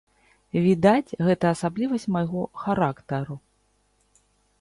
Відаць, гэта асаблівасць майго характару.